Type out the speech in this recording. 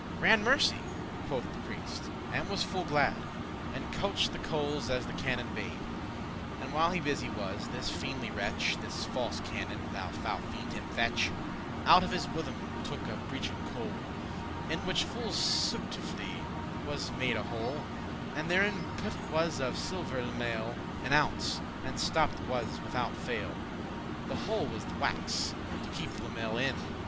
*"Grand mercy,"* quoth the priest, and was full glad, *great thanks* And couch'd the coales as the canon bade. And while he busy was, this fiendly wretch, This false canon (the foule fiend him fetch), Out of his bosom took a beechen coal, In which full subtifly was made a hole, And therein put was of silver limaile* *filings An ounce, and stopped was withoute fail The hole with wax, to keep the limaile in.